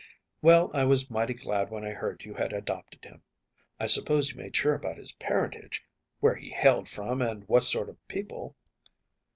‚ÄĚ “Well, I was mighty glad when I heard you had adopted him. I suppose you made sure about his parentage, where he hailed from and what sort of people?